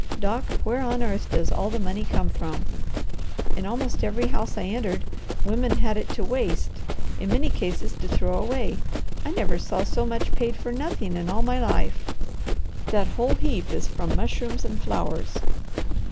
Doc, where on earth does all the money come from? In almost every house I entered, women had it to waste, in many cases to throw away. I never saw so much paid for nothing in all my life. That whole heap is from mushrooms and flowers."